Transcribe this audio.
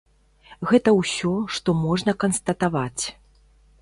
Гэта ўсё, што можна канстатаваць.